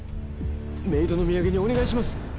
冥土の土産にお願いします！